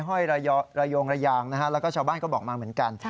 ห้อยระโยงระยางนะฮะแล้วก็ชาวบ้านก็บอกมาเหมือนกัน